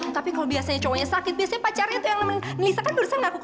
tapi kalo biasanya cowoknya sakit biasanya pacarnya tuh yang nemenin nelisa kan berusaha berantem ya